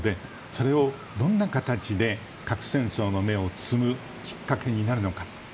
それをどんな形で核戦争の芽を摘むきっかけになるのか。